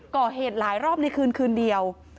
ก่อเหตุหลายรอบในคืนคืนเดียว